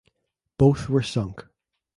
Both were sunk.